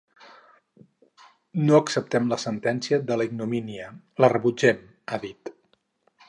No acceptem la sentència de la ignomínia, la rebutgem –ha dit–.